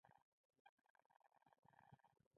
پر کراره نه پرېږدي.